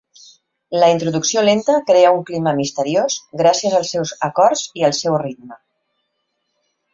La introducció lenta crea un clima misteriós, gràcies als seus acords i el seu ritme.